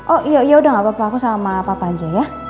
oh iya iya udah gak apa apa aku sama papa aja ya